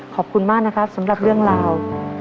ขอบคุณมากนะครับสำหรับเรื่องราว